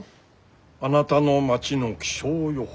「あなたの町の気象予報士」